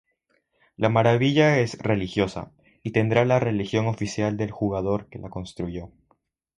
La maravilla es religiosa, y tendrá la religión oficial del jugador que la construyó.